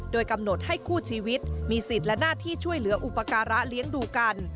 โดยกำหนดให้คู่ชีวิตมีสิทธิ์และหน้าที่ช่วยเหลืออุปการะเลี้ยงดูกัน